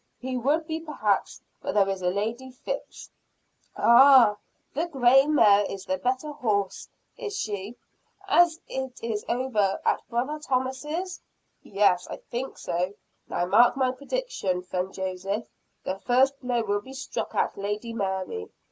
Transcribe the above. "He would be perhaps; but there is a Lady Phips." "Ah!' the gray mare is the better horse,' is she, as it is over at brother Thomas's?" "Yes, I think so. Now mark my prediction, friend Joseph; the first blow will be struck at Lady Mary.